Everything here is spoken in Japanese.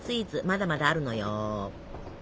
まだまだあるのよ。